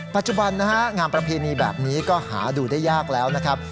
ปัจจุบันนะฮะงามประเพณีแบบนี้ก็หาดูได้ยากแล้วนะครับ